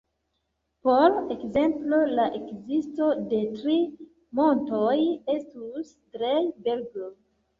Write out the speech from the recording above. Por ekzemplo, la ekzisto de tri montoj estus Drei-Berg-.